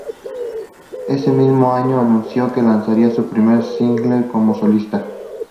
Ese mismo año anunció que lanzaría su primer single como solista.